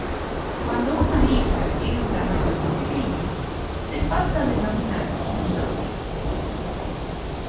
Cuando una isla tiene un tamaño muy pequeño se pasa a denominar islote.